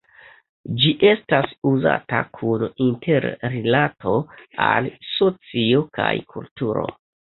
Ĝi estas uzata kun interrilato al socio kaj kulturo.